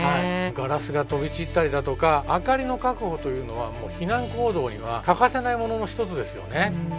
ガラスが飛び散ったりだとか明かりの確保というのはもう避難行動には欠かせないものの一つですよね。